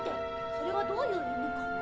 それはどういう意味かな？